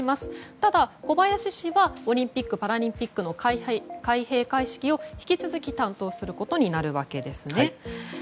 ただ小林氏はオリンピック・パラリンピックの開閉会式を引き続き担当することになるわけですね。